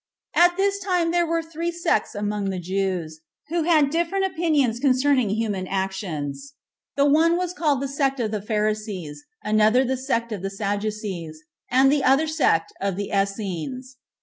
9. At this time there were three sects among the Jews, who had different opinions concerning human actions; the one was called the sect of the Pharisees, another the sect of the Sadducees, and the other the sect of the Essens.